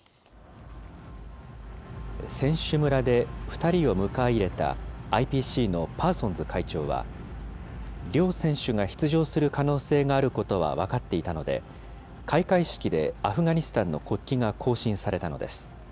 選手村で２人を迎え入れたＩＰＣのパーソンズ会長は両選手が出場する可能性があることは分かっていたので、開会式でアフガニスタンの国旗が行進されたのです。